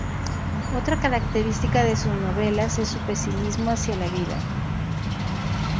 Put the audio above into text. Otra característica de sus novelas es su pesimismo hacia la vida.